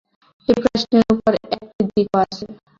এই প্রশ্নের অপর একটি দিকও আছে।